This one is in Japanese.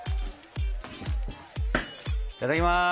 いただきます！